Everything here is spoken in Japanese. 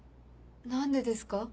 何でですか？